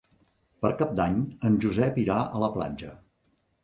Per Cap d'Any en Josep irà a la platja.